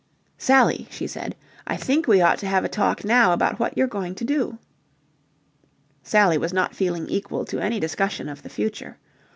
"Sally," she said, "I think we ought to have a talk now about what you're going to do." Sally was not feeling equal to any discussion of the future.